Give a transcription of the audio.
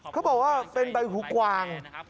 เขาบอกว่าเป็นใบหูกวาง